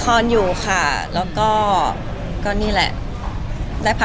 ก็เป็นอีกประสบการณ์หนึ่งสำหรับการชมภาพยนตร์ที่ระบบดีแล้วก็นอนสบายด้วยค่ะ